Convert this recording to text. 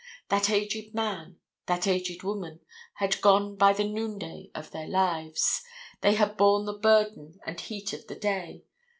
That aged man, that aged woman, had gone by the noonday of their lives. They had borne the burden and heat of the day.